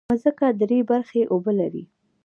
مځکه درې برخې اوبه لري.